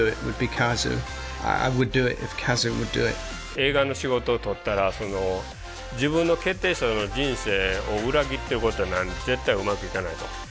映画の仕事を取ったら自分の決定した人生を裏切ってることになるんで絶対うまくいかないと。